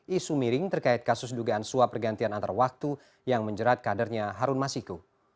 isu miring terkait kasus dugaan suap pergantian antar waktu yang menjerat kadernya harun masiku